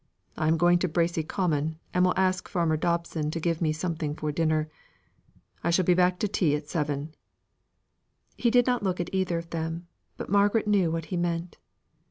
I am going to Bracy Common, and will ask Farmer Dobson to give me something for dinner. I shall be back to tea at seven." He did not look at either of them, but Margaret knew what he meant.